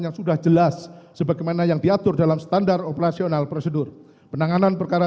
yang sudah jelas sebagaimana yang diatur dalam standar operasional prosedur penanganan perkara